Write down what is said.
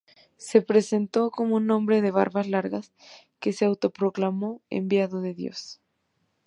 Se presentó como un hombre de barbas largas que se autoproclamó enviado de Dios.